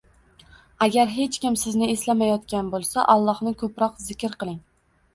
Agar hech kim sizni eslamayotgan bo‘lsa, Allohni ko‘proq zikr qiling.